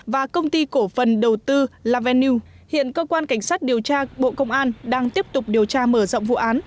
và công ty cổ phần đầu tư la venue hiện cơ quan cảnh sát điều tra bộ công an đang tiếp tục điều tra mở rộng vụ án